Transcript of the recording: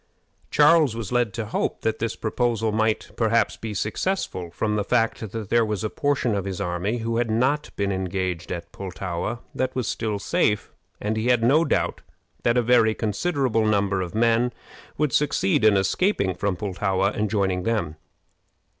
Charles was led to hope that this proposal might perhaps be successful, from the fact that there was a portion of his army who had not been engaged at Pultowa that was still safe; and he had no doubt that a very considerable number of men would succeed in escaping from Pultowa and joining them.